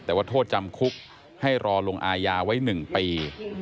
แต่ว่าโทษจำคุกให้รอลงอายาไว้๑ปี